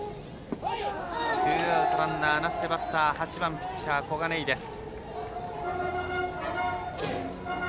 ツーアウトランナーなしでバッター８番、ピッチャー小金井です。